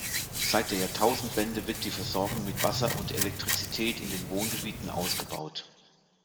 Seit der Jahrtausendwende wird die Versorgung mit Wasser und Elektrizität in den Wohngebieten ausgebaut.